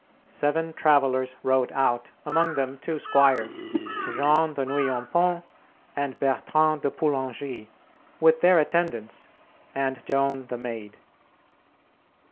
Seven travellers rode out, among them two squires, Jean de Nouillompont and Bertrand de Poulengy, with their attendants, and Joan the Maid.